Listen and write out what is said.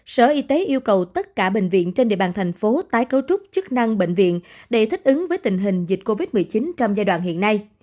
sở y tế yêu cầu tất cả bệnh viện trên địa bàn thành phố tái cấu trúc chức năng bệnh viện để thích ứng với tình hình dịch covid một mươi chín trong giai đoạn hiện nay